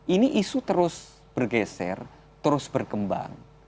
ini isu terus bergeser terus berkembang